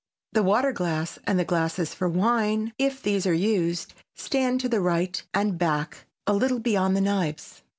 The water glass and the glasses for wine, if these are used, stand to the right and back, a little beyond the knives.